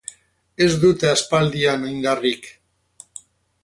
Ez dute aspaldian indarrik.